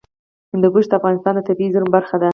هندوکش د افغانستان د طبیعي زیرمو برخه ده.